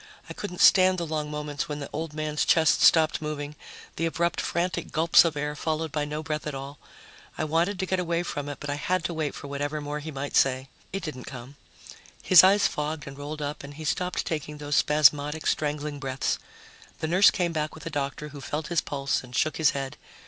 I couldn't stand the long moments when the old man's chest stopped moving, the abrupt frantic gulps of air followed by no breath at all. I wanted to get away from it, but I had to wait for whatever more he might say. It didn't come. His eyes fogged and rolled up and he stopped taking those spasmodic strangling breaths. The nurse came back with the doctor, who felt his pulse and shook his head.